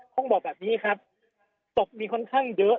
ต้องบอกแบบนี้ครับตกมีค่อนข้างเยอะ